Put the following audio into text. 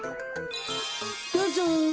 どうぞ。